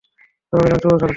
সবাইকে জানাচ্ছি, শুভ সকাল!